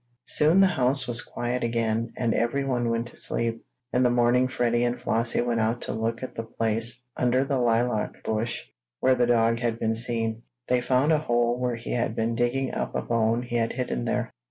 Soon the house was quiet again, and everyone went to sleep. In the morning Freddie and Flossie went out to look at the place under the lilac bush where the dog had been seen. They found a hole where he had been digging up a bone he had hidden there.